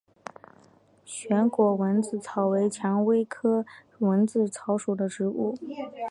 旋果蚊子草为蔷薇科蚊子草属的植物。